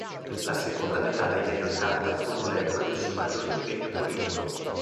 La seconda metà degli anni ottanta furono l'epoca del suo maggiore impegno politico.